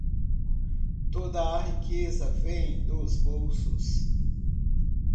Toda a riqueza vem dos bolsos.